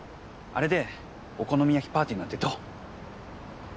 あれでお好み焼きパーティーなんてどう？